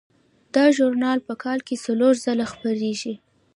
دا ژورنال په کال کې څلور ځله خپریږي.